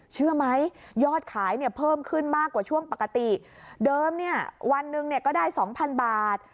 เชื่อไหมยอดขายเนี่ยเพิ่มขึ้นมากกว่าช่วงปกติเดิมเนี่ยวันหนึ่งเนี่ยก็ได้สองพันบาท